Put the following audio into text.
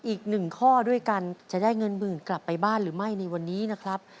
อีกหนึ่งข้อด้วยกันจะได้เงินหมื่นกลับไปบ้านหรือไม่ในวันนี้นะครับ